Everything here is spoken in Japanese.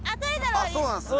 あっそうなんですね。